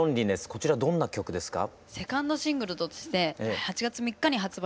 こちらどのような曲ですか？